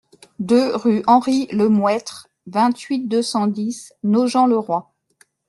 deux rue Henri Lemouettre, vingt-huit, deux cent dix, Nogent-le-Roi